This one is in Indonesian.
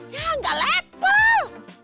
ya nggak level